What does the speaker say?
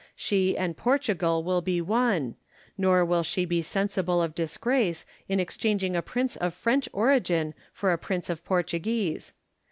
She and Portugal will be one : nor will she be sensible of disgrace in exchanging a prince of French origin for a prince of Portuguese.